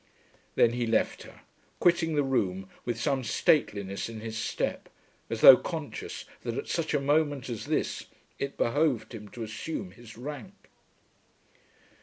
Then he left her, quitting the room with some stateliness in his step, as though conscious that at such a moment as this it behoved him to assume his rank.